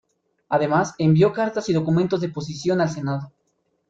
Además, envió cartas y documentos de posición al Senado.